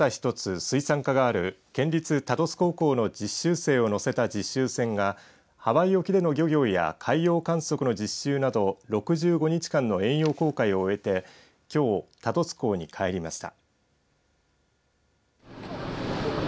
県内でただ１つ水産科がある県立多度津高校の実習生を乗せた実習船がハワイ沖での漁業や海洋観測の実習など６５日間の遠洋航海を終えてきょう多度津港に帰りました。